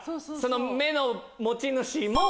目の持ち主も。